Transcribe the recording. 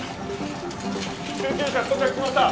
救急車到着しました。